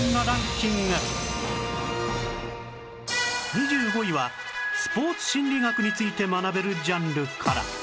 ２５位はスポーツ心理学について学べるジャンルから